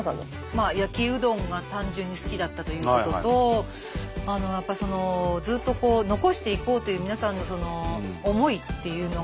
まあ焼うどんが単純に好きだったということとやっぱそのずっとこう残していこうという皆さんのその思いっていうのが。